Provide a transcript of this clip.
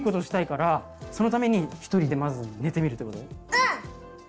うん！